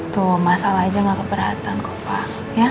bahaya juga buat kandungannya pak